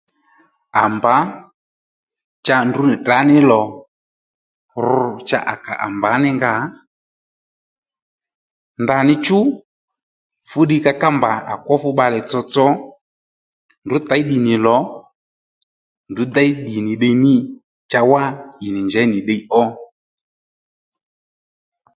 À mbǎ cha ndrǔ nì tdra ní lò ru cha à kà à mbǎ mí ngâ ndaní chú fúddiy ka ká mbà à kwó fú bbalè tsotso ndrǔ těy ddì nì lò ndrǔ déy ddì nì ddiy ní cha wá ì nì njěy nì ddiy ó